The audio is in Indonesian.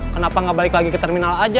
kenapa nggak balik lagi ke terminal aja